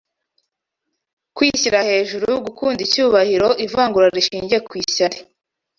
Kwishyira hejuru, gukunda icyubahiro, ivangura rishingiye ku ishyari